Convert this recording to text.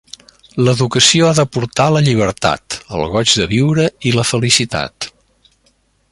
L'educació ha de portar a la llibertat, el goig de viure i la felicitat.